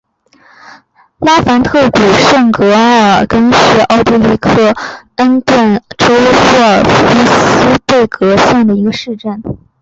拉凡特谷地圣格奥尔根是奥地利克恩顿州沃尔夫斯贝格县的一个市镇。